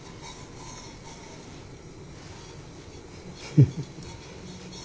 フフフッ。